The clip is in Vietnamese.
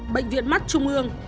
bệnh viện mắt trung ương